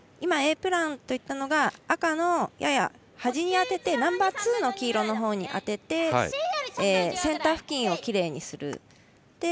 Ａプランといったのが赤のやや端に当ててナンバーツーの黄色のほうに当ててセンター付近をきれいにする。